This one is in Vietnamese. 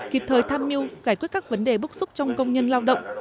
kịp thời tham mưu giải quyết các vấn đề bức xúc trong công nhân lao động